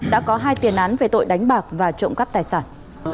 đã có hai tiền án về tội đánh bạc và trộm cắp tài sản